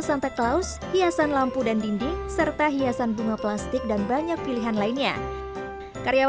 santa claus hiasan lampu dan dinding serta hiasan bunga plastik dan banyak pilihan lainnya karyawan